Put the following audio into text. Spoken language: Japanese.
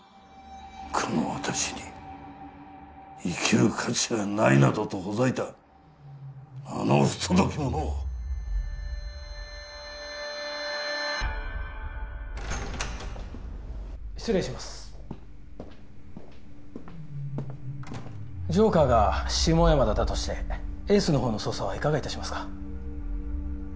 この私に生きる価値がないなどとほざいたあの不届き者を失礼しますジョーカーが下山田だとしてエースの方の捜査はいかがいたしますか？